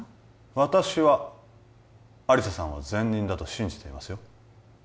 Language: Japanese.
私は亜理紗さんは善人だと信じていますよ